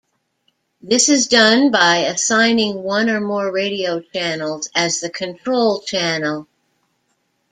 This is done by assigning one or more radio channels as the "control channel".